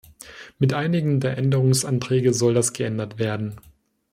Mit einigen der Änderungsanträge soll das geändert werden.